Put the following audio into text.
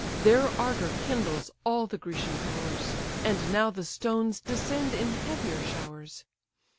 Their ardour kindles all the Grecian powers; And now the stones descend in heavier showers.